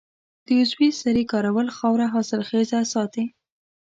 د عضوي سرې کارول خاوره حاصلخیزه ساتي.